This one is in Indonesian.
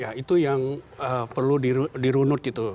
ya itu yang perlu dirunut itu